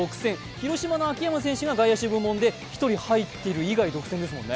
広島の秋山選手が外野手部門で１人入ってる以外独占ですもんね。